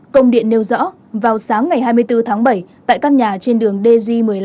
công điện nêu rõ vào sáng ngày hai mươi bốn tháng bảy tại căn nhà trên đường dg một mươi năm